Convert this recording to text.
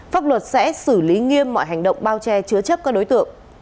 pháp luật sẽ xử lý nghiêm mọi hành động bao che chứa chấp các đối tượng